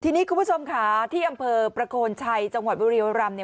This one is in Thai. ทีนี้คุณผู้ชมค่ะที่อำเภอประโคนชัยจังหวัดบริโรรัมเนี่ย